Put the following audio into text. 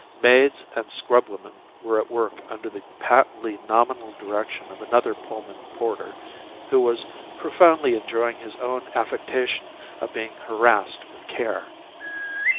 Maids and scrubwomen were at work under the patently nominal direction of another Pullman porter, who was profoundly enjoying his own affectation of being harassed with care.